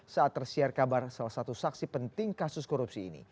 saat tersiar kabar salah satu saksi penting kasus korupsi ini